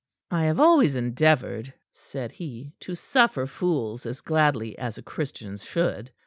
"I have always endeavored," said he, "to suffer fools as gladly as a Christian should.